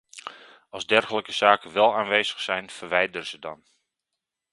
Als dergelijke zaken wel aanwezig zijn, verwijder ze dan.